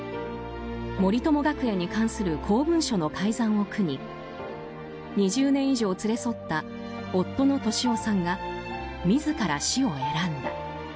森友学園に関する公文書の改ざんを苦に２０年以上連れ添った夫の俊夫さんが自ら死を選んだ。